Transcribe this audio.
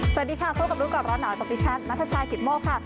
สวัสดีค่ะพบกับรู้ก่อนร้อนหนาวกับดิฉันนัทชายกิตโมกค่ะ